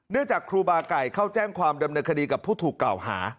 จากครูบาไก่เข้าแจ้งความดำเนินคดีกับผู้ถูกกล่าวหา